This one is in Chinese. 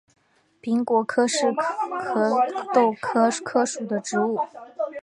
柄果柯是壳斗科柯属的植物。